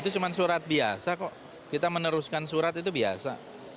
surat biasa kok kita meneruskan surat itu biasa